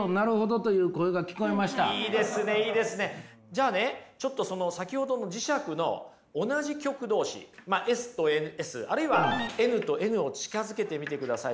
じゃあねちょっとその先ほどの磁石の同じ極同士まあＳとＳあるいはＮとＮを近づけてみてください。